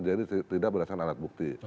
jadi tidak berdasarkan alat bukti